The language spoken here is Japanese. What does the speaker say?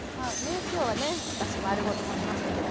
きょうはね私丸ごと盛りましたけど。